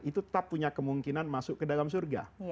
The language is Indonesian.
itu tetap punya kemungkinan masuk ke dalam surga